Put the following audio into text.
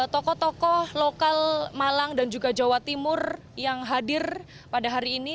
tokoh tokoh lokal malang dan juga jawa timur yang hadir pada hari ini